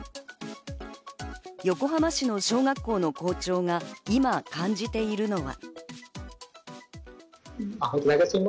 横浜市の小学校の校長が今感じているのは。